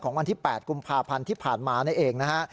วันที่๘กุมภาพันธ์ที่ผ่านมานี่เองนะฮะ